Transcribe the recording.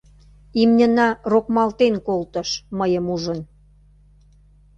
Имньына рокмалтен колтыш, мыйым ужын.